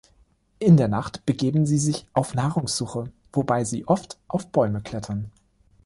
In der Nacht begeben sie sich auf Nahrungssuche, wobei sie oft auf Bäume klettern.